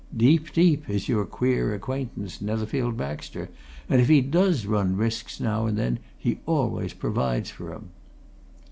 Deep, deep, is your queer acquaintance, Netherfield Baxter, and if he does run risks now and then, he always provides for 'em."